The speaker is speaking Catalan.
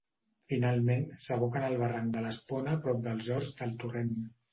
Finalment, s'aboca en el barranc de l'Espona prop dels Horts del Torrent.